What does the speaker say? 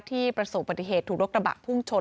ที่ประสูรปฏิเหตุถูกโรคระบะพุ่งชน